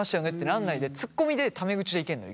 なんないでツッコミでタメ口でいけるのよ